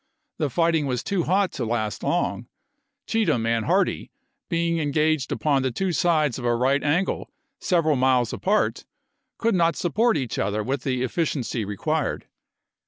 The fighting was too hot to last long; Cheatham and Hardee, being engaged upon the two sides of a right angle several miles apart, could not support each other with the efficiency re quired.